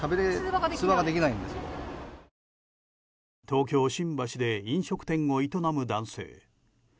東京・新橋で飲食店を営む男性。